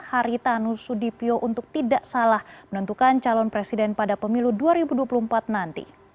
haritanu sudipyo untuk tidak salah menentukan calon presiden pada pemilu dua ribu dua puluh empat nanti